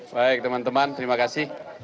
baik teman teman terima kasih